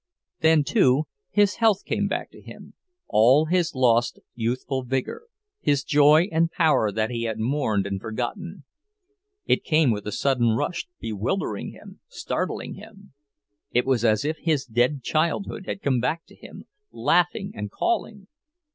Then, too, his health came back to him, all his lost youthful vigor, his joy and power that he had mourned and forgotten! It came with a sudden rush, bewildering him, startling him; it was as if his dead childhood had come back to him, laughing and calling!